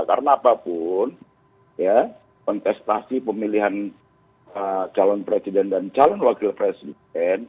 karena apapun ya kontestasi pemilihan calon presiden dan calon wakil presiden